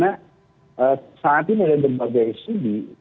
karena saat ini oleh berbagai sdb